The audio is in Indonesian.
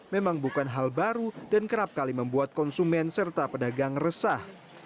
memang bukan hal baru dan kerap kali membuat konsumen serta pedagang resah